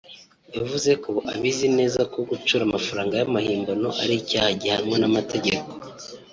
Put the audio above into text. yavuze ko abizi neza ko gucura amafaranga y’amahimbano ari icyaha gihanwa n’amategeko